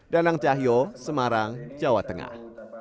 danang cahyo semarang jawa tengah